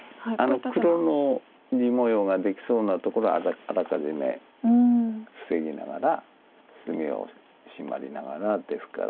黒の地模様ができそうなところはあらかじめ防ぎながら隅をシマりながらですから。